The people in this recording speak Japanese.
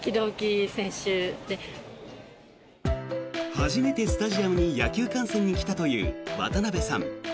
初めてスタジアムに野球観戦に来たという渡辺さん。